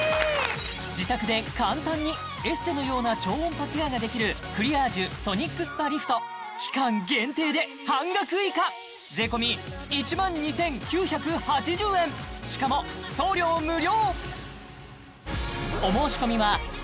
自宅で簡単にエステのような超音波ケアができるクリアージュソニックスパリフト期間限定で半額以下しかも送料無料！